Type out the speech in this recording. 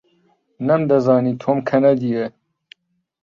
نەمدەزانی تۆم کەنەدییە.